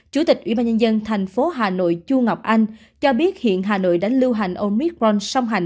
chủ tịch ubnd tp hà nội chu ngọc anh cho biết hiện hà nội đã lưu hành omicron song hành